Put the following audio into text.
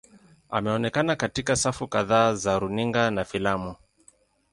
Ameonekana katika safu kadhaa za runinga na filamu.